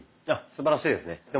あっすばらしいですね。